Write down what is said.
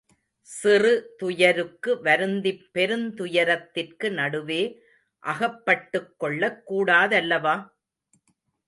சிறு துயருக்கு வருந்திப் பெருந் துயரத்திற்கு நடுவே அகப்பட்டுக் கொள்ளக் கூடாதல்லவா?